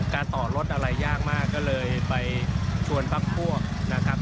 การต่อรถอะไรยากมากก็เลยไปชวนพักพวกนะครับ